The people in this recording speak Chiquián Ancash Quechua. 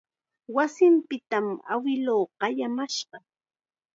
Wasinpitam awiluu qayamashqa.